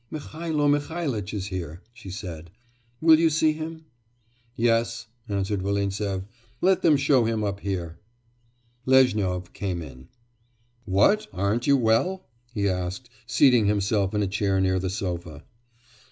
'Mihailo Mihailitch is here,' she said, 'will you see him?' 'Yes,' answered Volintsev, 'let them show him up here.' Lezhnyov came in. 'What, aren't you well?' he asked, seating himself in a chair near the sofa.